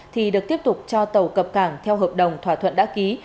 thì được tiếp tục cho tàu cập cảng theo hợp đồng thỏa thuận đã ký